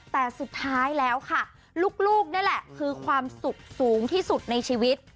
แต่สุดท้ายแล้วค่ะลูกนี่แหละคือความสุขสูงที่สุดในชีวิต